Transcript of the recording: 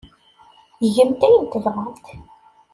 Gemt ayen tebɣamt.